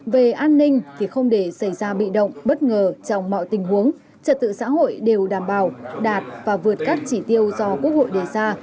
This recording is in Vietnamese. về an ninh thì không để xảy ra bị động bất ngờ trong mọi tình huống trật tự xã hội đều đảm bảo đạt và vượt các chỉ tiêu do quốc hội đề ra